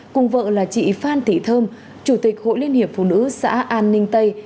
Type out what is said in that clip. cùng vợ là chị phan thị thơm chủ tịch hội liên hiệp phụ nữ xã an ninh tây